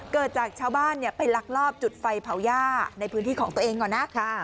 เกิดจากชาวบ้านไปลักลอบจุดไฟเผาย่าในพื้นที่ของตัวเองก่อนนะ